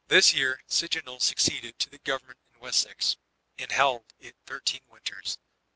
This year Cynegils succeeded to the gov ernment in Wessex, and held it 51 winters.